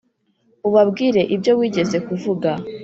ubabwire ibyo wigeze kuvuga.